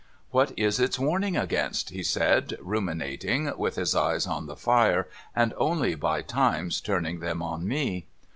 ' What is its warning against ?' he said, ruminating, with his eyes on the fire, and only by times turning them on me.